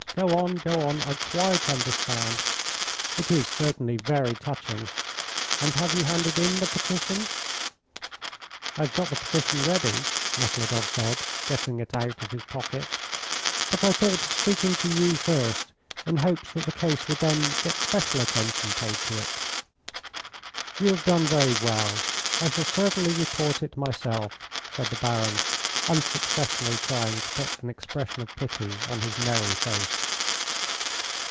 "Go on, go on. I quite understand. It is certainly very touching. And have you handed in the petition?" "I have got the petition ready," Nekhludoff said, getting it out of his pocket; "but I thought of speaking to you first in hopes that the case would then get special attention paid to it." "You have done very well. I shall certainly report it myself," said the Baron, unsuccessfully trying to put an expression of pity on his merry face.